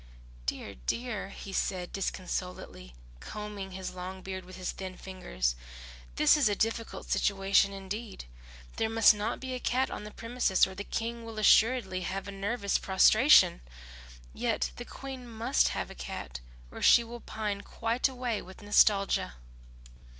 "Dear, dear," he said disconsolately, combing his long beard with his thin fingers. "This is a difficult situation indeed. There must not be a cat on the premises, or the King will assuredly have nervous prostration. Yet the Queen must have a cat or she will pine quite away with nostalgia."